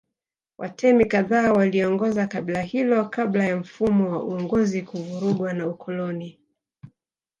Watemi kadhaa waliongoza kabila hilo kabla ya mfumo wa uongozi kuvurugwa na ukoloni